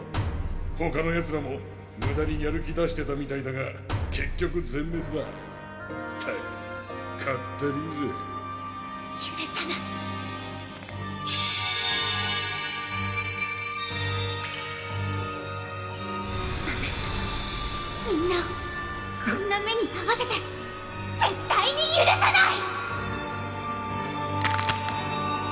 ほかのヤツらもむだにやる気出してたみたいだが結局全滅だったくかったりぃぜゆるさないまなつをみんなをこんな目にあわせて絶対にゆるさない！